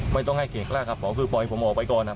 ไม่ต้องให้เขกกล้าครับบอกคือปล่อยผมออกไปก่อนครับ